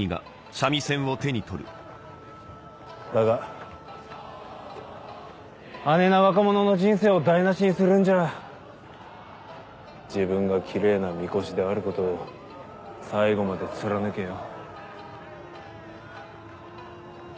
だがあねな若者の人生を台無しにするんじゃあ自分がキレイなみこしであることを最後まで貫けよ。